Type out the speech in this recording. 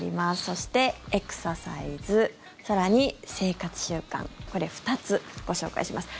そして、エクササイズ更に、生活習慣これ、２つご紹介します。